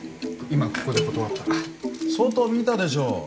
ここで断ったら外を見たでしょう？